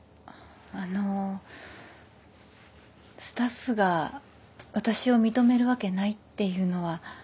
あっあのスタッフがわたしを認めるわけないっていうのは。